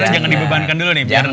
jangan dibebankan dulu nih